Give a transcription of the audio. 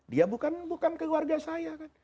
dia bukan keluarga saya kan